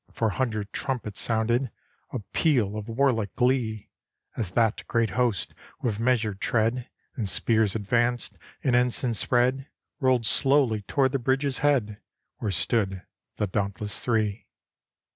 Four hundred trumpets sounded A peal of warlike glee, As that great host, with measured tread. And spears advanced, and ensigns spread, Rolled slowly towards the bridge's head, Where stood the dauntless Three.